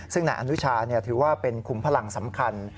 ซึ่งนายอนุชาถือว่าเป็นคุมพลังสำคัญ